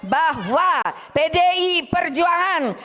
bahwa pdi perjuangan